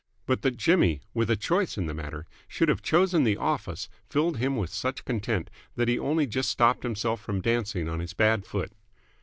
But that Jimmy, with a choice in the matter, should have chosen the office filled him with such content that he only just stopped himself from dancing on his bad foot.